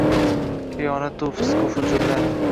Xiyonatu fisqu fujurlar